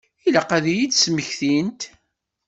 Ilaq ad iyi-d-tesmektimt.